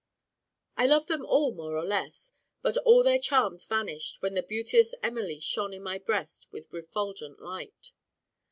I loved them all more or less; but all their charms vanished, when the beauteous Emily shone in my breast with refulgent light.